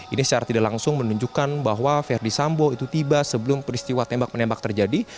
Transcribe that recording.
ini secara tidak langsung menunjukkan bahwa verdi sambo itu tiba sebelum peristiwa tembak menembak terjadi